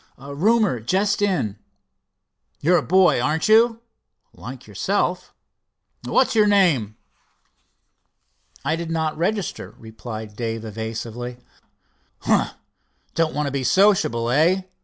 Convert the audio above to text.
"Roomer—just come in." "You're a boy, aren't you?" "Like yourself." "What's your name?" "I did not register," replied Dave evasively. "Humph! don't want to be sociable, eh?